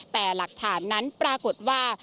แต่หลักฐานนั้นปรากฏว่า